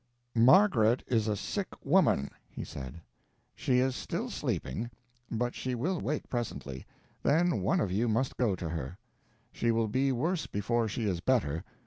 "Margaret is a sick woman," he said. "She is still sleeping, but she will wake presently; then one of you must go to her. She will be worse before she is better.